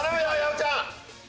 おちゃん。